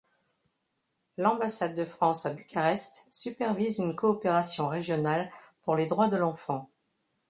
L'ambassade de France à Bucarest supervise une coopération régionale pour les droits de l'enfant.